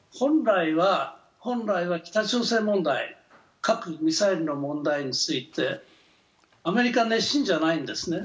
本来は北朝鮮問題、核・ミサイルの問題についてアメリカは熱心じゃなんですね。